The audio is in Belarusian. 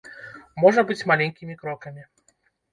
Можа быць маленькімі крокамі.